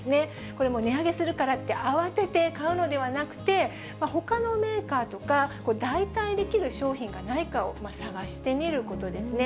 これ値上げするからって慌てて買うのではなくて、ほかのメーカーとか、代替できる商品がないかを探してみることですね。